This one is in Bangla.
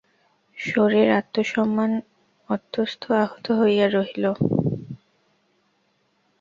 শশীর আত্বসম্মান অত্যস্ত আহত হইয়া রহিল।